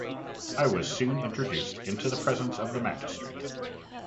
I was soon introduced into the presence of the magistrate.